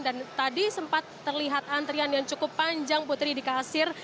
dan tadi sempat terlihat antrian yang cukup panjang putri di kasir